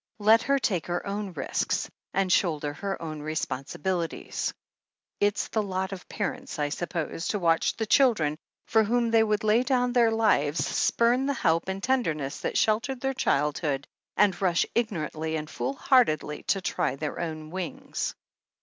Let her take her own risks and shoulder her own responsibili ties." "It's the lot of parents, I suppose, to watch the children, for whom they would lay down their lives, spurn the help and tenderness that sheltered .their child hood, and rush ignorantly and foolhardily to try their own wings."